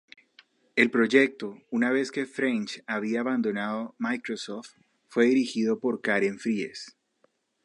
El proyecto, una vez que French había abandonado Microsoft, fue dirigido por Karen Fries.